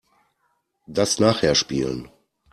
Das nachher spielen.